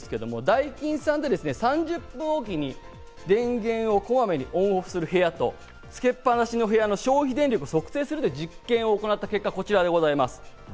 ダイキンさんで３０分おきに電源をこまめにオンオフする部屋とつけっ放しの部屋の消費電力を測定する実験を行った結果がこちらです。